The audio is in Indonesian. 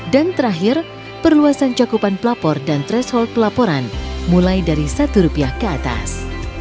dan terakhir perluasan cakupan pelapor dan threshold pelaporan mulai dari rp satu ke atas